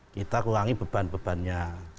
kita kurangi beban bebannya